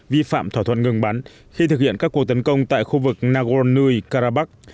vi phạm thỏa thuận ngừng bắn khi thực hiện các cuộc tấn công tại khu vực nagorno karabakh